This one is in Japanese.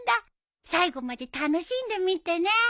最後まで楽しんで見てね。